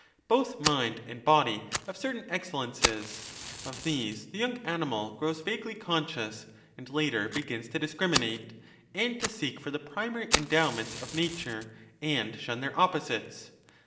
BotJi mind and body have certain e lences; of these the young animal grows vaguely conscious, and later begins to discriminate, and to seek for the primary endowments of Nature and shun 34 their opposites.